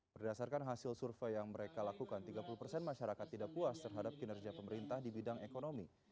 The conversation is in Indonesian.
berdasarkan hasil survei yang mereka lakukan tiga puluh persen masyarakat tidak puas terhadap kinerja pemerintah di bidang ekonomi